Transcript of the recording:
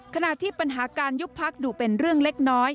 ขณะที่ปัญหาการยุบพักดูเป็นเรื่องเล็กน้อย